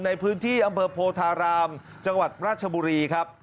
ในพื้นที่อำเภอโพธารามจังหวัดราชบุรีครับ